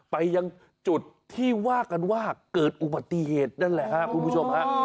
ไปยังจุดที่ว่ากันว่าเกิดอุบัติเหตุนั่นแหละครับคุณผู้ชมฮะ